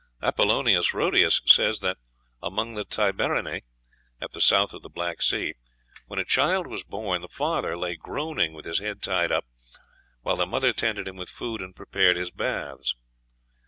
Apollonius Rhodius says that among the Tibereni, at the south of the Black Sea, "when a child was born the father lay groaning, with his head tied up, while the mother tended him with food and prepared his baths."